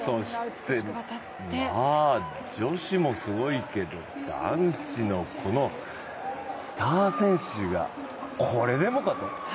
女子もすごいけど、男子のこのスター選手がこれでもかと。